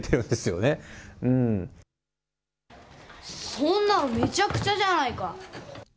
そんなのめちゃくちゃじゃないか。